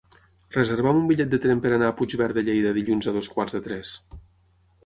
Reserva'm un bitllet de tren per anar a Puigverd de Lleida dilluns a dos quarts de tres.